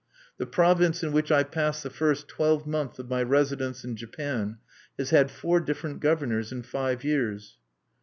The province in which I passed the first twelvemonth of my residence in Japan has had four different governors in five years.